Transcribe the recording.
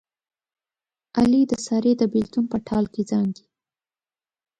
علي د سارې د بلېتون په ټال کې زانګي.